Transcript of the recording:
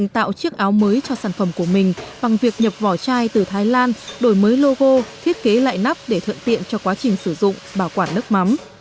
tạo chiếc áo mới cho sản phẩm của mình bằng việc nhập vỏ chai từ thái lan đổi mới logo thiết kế lại nắp để thuận tiện cho quá trình sử dụng bảo quản nước mắm